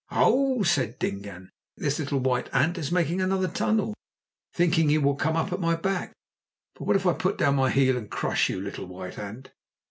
"Ow!" said Dingaan; "this little white ant is making another tunnel, thinking that he will come up at my back. But what if I put down my heel and crush you, little white ant?